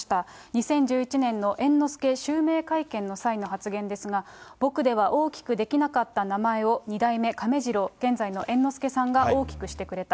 ２０１１年の猿之助襲名会見の際の発言ですが、僕では大きくできなかった名前を、二代目亀治郎、現在の猿之助さんが大きくしてくれた。